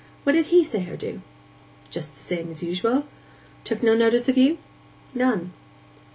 What did he say or do?' 'Just the same as usual.' 'Took no notice of you?' 'None.